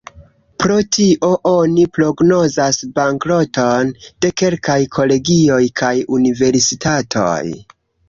Pro tio oni prognozas bankroton de kelkaj kolegioj kaj universitatoj.